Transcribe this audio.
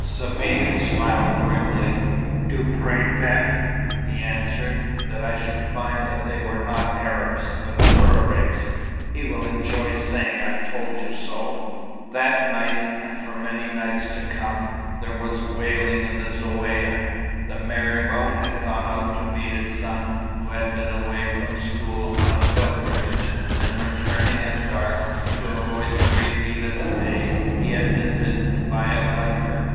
Sabine smiled grimly. "Duprez bet," he answered, "that I should find they were not Arabs, but Touaregs. He will enjoy saying 'I told you so.'" That night, and for many nights to come, there was wailing in the Zaouïa. The marabout had gone out to meet his son, who had been away from school on a pilgrimage, and returning at dark, to avoid the great heat of the day, had been bitten by a viper.